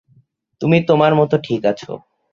তুমি তোমার মতো ঠিক আছো।